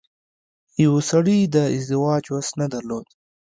يوه سړي د ازدواج وس نه درلود.